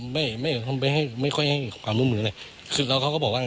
ไม่ไม่ไม่ค่อยให้ไม่ค่อยให้ความลุ้มหรืออะไรคือเราเขาก็บอกว่า